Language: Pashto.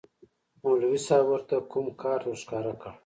مولوي صاحب ورته کوم کارت ورښکاره کړ.